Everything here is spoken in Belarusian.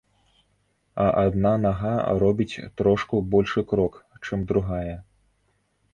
А адна нага робіць трошку большы крок, чым другая.